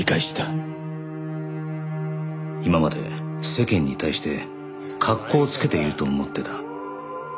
今まで世間に対して格好をつけていると思ってた。